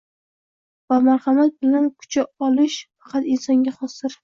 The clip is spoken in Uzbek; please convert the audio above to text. va marhamat bilan kucha olish faqat insonga xosdir.